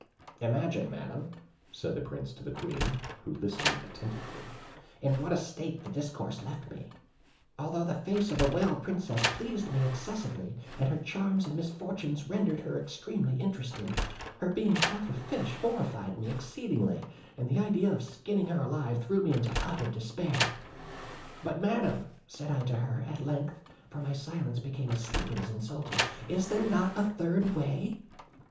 "Imagine, Madam," said the Prince to the Queen, who listened attentively, "in what a state this discourse left me." Although the face of the Whale Princess pleased me excessively, and her charms and misfortunes rendered her extremely interesting, her being half a fish horrified me exceedingly; and the idea of skinning her alive threw me into utter despair. 'But, Madam,' said I to her, at length (for my silence became as stupid as insulting), 'is there not a third way?'